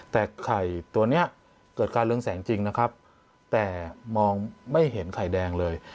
แต่ไข่ตัวนี้เกิดการเรืองแสงจริงนะครับแต่มองไม่เห็นไข่แดงเลย